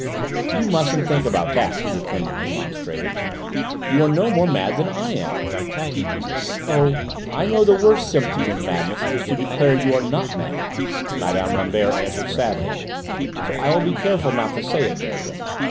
"You mustn't think about that," the attendant remonstrated. "You are no more mad than I am." "Oh, I know the worst symptom of madness is to declare you are not mad," Mme. Rambert answered sadly; "so I will be careful not to say it, Berthe.